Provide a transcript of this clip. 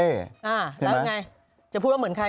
แล้วยังไงจะพูดว่าเหมือนใคร